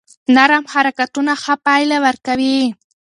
نرم حرکتونه ښه پایله ورکوي.